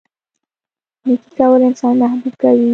نیکي کول انسان محبوب کوي.